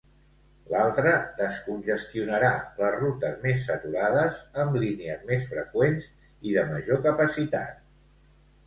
L'altre descongestionarà les rutes més saturades, amb línies més freqüents i de major capacitat.